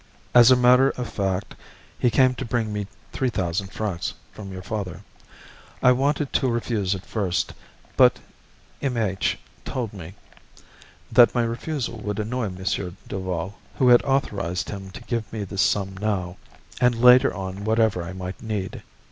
As a matter of fact, he came to bring me three thousand francs from your father. I wanted to refuse at first, but M. H. told me that my refusal would annoy M. Duval, who had authorized him to give me this sum now, and later on whatever I might need.